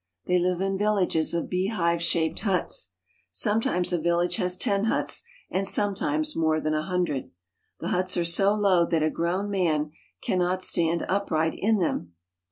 They live in villages of beehive shaped huts. Sometimes a village has ten huts, and sometimes more than a hundred. The huts are so low that a grown man can not stand upright in them.